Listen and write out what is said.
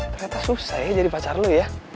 ternyata susah ya jadi pacar lu ya